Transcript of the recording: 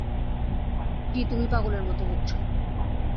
কী তুমি পাগলের মতো বকছ।